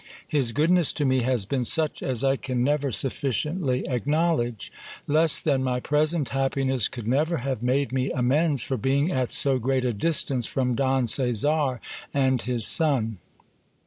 His goodness to me has been such as I can never ; sufficiently acknowledge. Less than my present happiness could never have j made me amends for being at so great a distance from Don Caesar and his son.